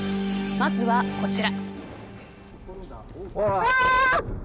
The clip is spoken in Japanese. まずはこちら。